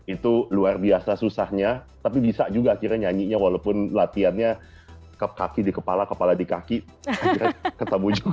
itu luar biasa susahnya tapi bisa juga akhirnya nyanyinya walaupun latihannya kaki di kepala kepala di kaki akhirnya ketemu juga